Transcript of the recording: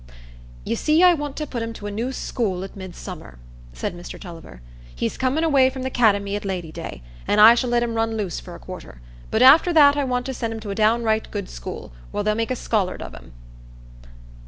"You see, I want to put him to a new school at Midsummer," said Mr Tulliver; "he's comin' away from the 'cademy at Lady day, an' I shall let him run loose for a quarter; but after that I want to send him to a downright good school, where they'll make a scholard of him."